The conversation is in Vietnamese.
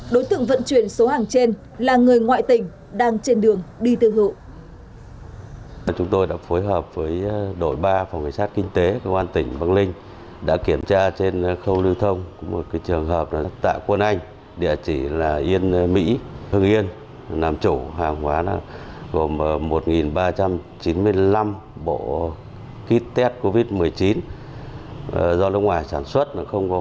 đối tượng vận chuyển số hàng trên là người ngoại tỉnh đang trên đường đi tư hộ